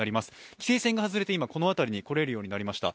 規制線が外れてこの辺りに来れるようになりました。